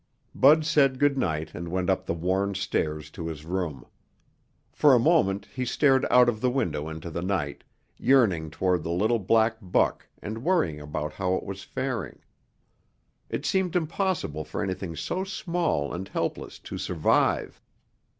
Bud said good night and went up the worn stairs to his room. For a moment he stared out of the window into the night, yearning toward the little black buck and worrying about how it was faring. It seemed impossible for anything so small and helpless to survive.